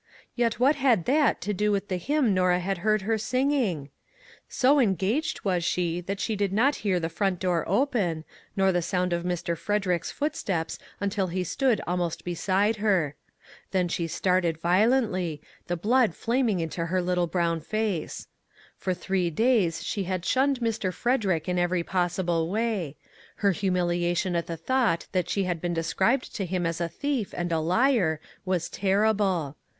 Yet what had that to do with the hymn Norah had heard her sing ing ? So engaged was she that she did not hear the front door open, nor the sound of Mr. Fred erick's footsteps until he stood almost beside her. Then she started violently, the blood flaming into her little brown face. For three days she had shunned Mr. Frederick in every 90 "A CRUMB OF COMFORT" possible way; her humiliation at the thought that she had been described to him as a thief and a liar was terrible.